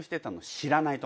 知らないの？